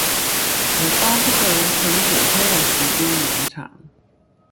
我巴不得乘火車的時間延長